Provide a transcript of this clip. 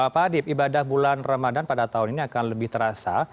pak adib ibadah bulan ramadan pada tahun ini akan lebih terasa